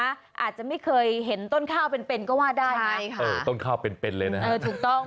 อาจจะไม่เคยเห็นต้นข้าวเป็นเป็นก็ว่าได้ไงค่ะเออต้นข้าวเป็นเป็นเลยนะฮะเออถูกต้อง